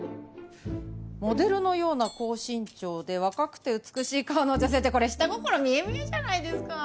「モデルのような高身長で若くて美しい顔の女性」ってこれ下心見え見えじゃないですか。